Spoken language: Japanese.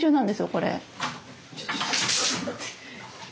これ。